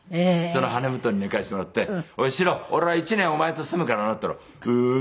その羽根布団に寝かせてもらって「おい史郎俺は１年お前と住むからな」って言ったら「ええー